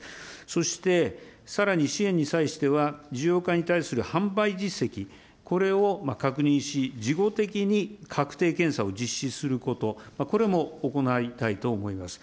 そしてさらに支援に際しては、需要化に対する販売実績、これを確認し、事後的に確定検査を実施すること、これも行いたいと思います。